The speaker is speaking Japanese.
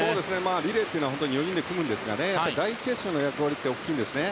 リレーというのは４人で組むんですが第１泳者の役割は大きいんですね。